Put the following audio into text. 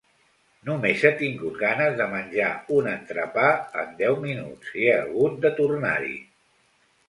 Només he tingut ganes de menjar un entrepà en deu minuts, i he hagut de tornar-hi!